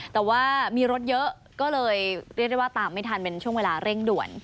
แต่ว่ามีรถเยอะก็เลยเรียกได้ว่าตามไม่ทันเป็นช่วงเวลาเร่งด่วน